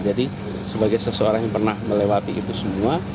jadi sebagai seseorang yang pernah melewati itu semua